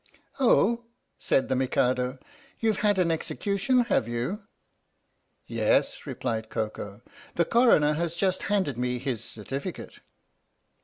" "Oh," said the Mikado, "you've had an execution, have you?" "Yes," replied Koko. "The Coroner has just handed me his certificate."